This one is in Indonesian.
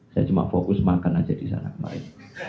saya cuma fokus makan aja di sana kemarin